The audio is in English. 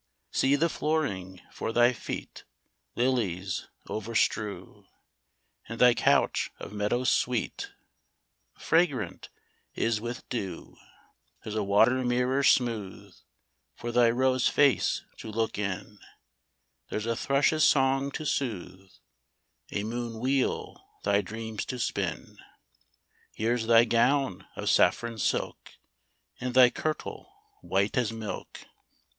See the flooring for thy feet Lilies over strew, And thy couch of meadow sweet Fragrant is with dew ! There's a water mirror smooth, For thy rose face to look in, There's a thrush's song to soothe, A moon wheel thy dreams to spin. Here's thy gown of saffron silk, And thy kirtle white as milk